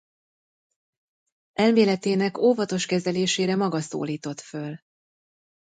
Elméletének óvatos kezelésére maga szólított föl.